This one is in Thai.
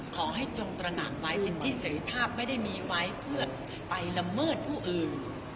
จงตระหนักไว้สิทธิเสรีภาพไม่ได้มีไว้เพื่อไปละเมิดผู้อื่น